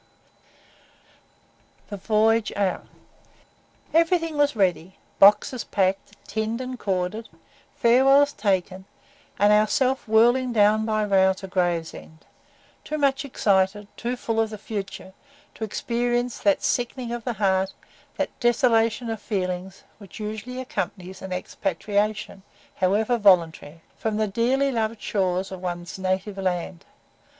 Chapter II. THE VOYAGE OUT Everything was ready boxes packed, tinned, and corded; farewells taken, and ourselves whirling down by rail to Gravesend too much excited too full of the future to experience that sickening of the heart, that desolation of the feelings, which usually accompanies an expatriation, however voluntary, from the dearly loved shores of one's native land.